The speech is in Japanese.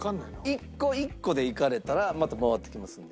１個１個でいかれたらまた回ってきますので。